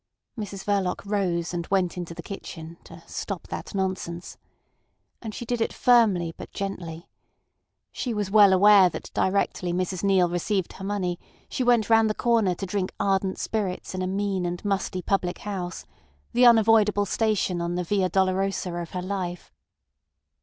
Mrs Verloc rose, and went into the kitchen to "stop that nonsense." And she did it firmly but gently. She was well aware that directly Mrs Neale received her money she went round the corner to drink ardent spirits in a mean and musty public house—the unavoidable station on the via dolorosa of her life.